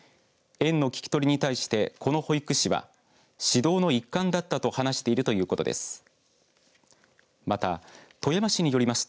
園の聞き取りに対してこの保育士は指導の一環だったと話しているということです。